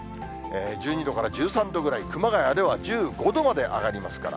１２度から１３度ぐらい、熊谷では１５度まで上がりますから。